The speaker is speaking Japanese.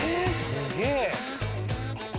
すげえ！